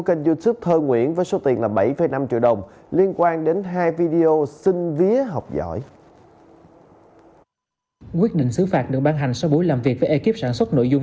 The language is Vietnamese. quyết định xứ phạt được ban hành sau buổi làm việc với ekip sản xuất nội dung